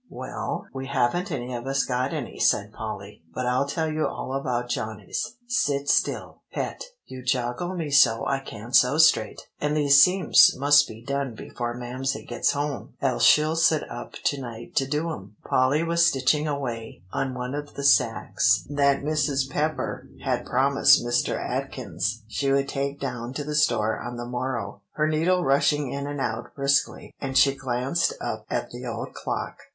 "Well, we haven't any of us got any," said Polly. "But I'll tell you all about Johnny's. Sit still, Pet, you joggle me so I can't sew straight; and these seams must be done before Mamsie gets home, else she'll sit up to night to do 'em." Polly was stitching away on one of the sacks that Mrs. Pepper had promised Mr. Atkins she would take down to the store on the morrow, her needle rushing in and out briskly; and she glanced up at the old clock.